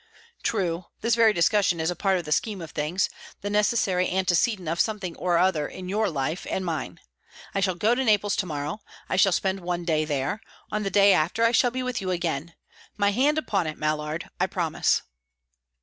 "True. This very discussion is a part of the scheme of things, the necessary antecedent of something or other in your life and mine. I shall go to Naples to morrow; I shall spend one day there; on the day after I shall be with you again. My hand upon it, Mallard. I promise!"